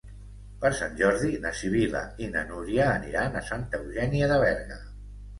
Per Sant Jordi na Sibil·la i na Núria aniran a Santa Eugènia de Berga.